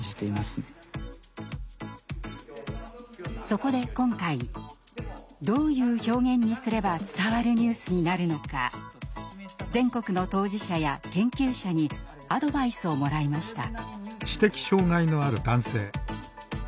そこで今回どういう表現にすれば伝わるニュースになるのか全国の当事者や研究者にアドバイスをもらいました。